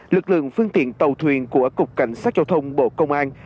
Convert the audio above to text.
lực lượng phương tiện tàu thuyền của cục cảnh sát giao thông bộ công an